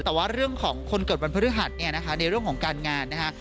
แต่ว่าเรื่องของคนเกิดวันพฤหัสเนี่ยนะคะในเรื่องของการงานนะคะ